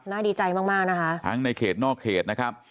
ดีใจมากมากนะคะทั้งในเขตนอกเขตนะครับ